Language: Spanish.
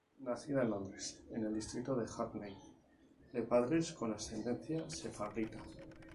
Nacida en Londres, en el distrito de Hackney, de padres con ascendencia sefardita.